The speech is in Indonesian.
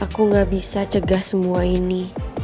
aku gak bisa cegah semua ini